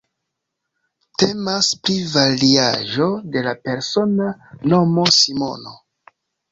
Temas pri variaĵo de la persona nomo Simono.